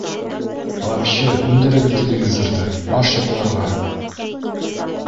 Вообще һүндерегеҙ телевизорҙы, марш йоҡларға!